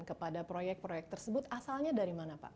kepada proyek proyek tersebut asalnya dari mana pak